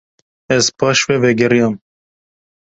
Ez paş ve vegeriyam.